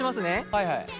はいはい。